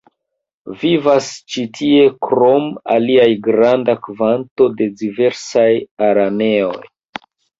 Vivas ĉi tie krom aliaj granda kvanto de diversaj araneoj.